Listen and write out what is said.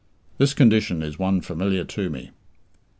This condition is one familiar to me.